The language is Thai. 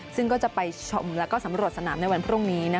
ซึ่งก็จะไปชมแล้วก็สำรวจสนามในวันพรุ่งนี้